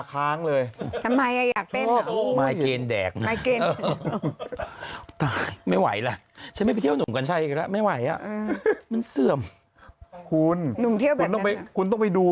ข้างเลยอยากแด่งไม่ไหวละไม่ไหวมันเสื่อมคุณคุณต้องไปดู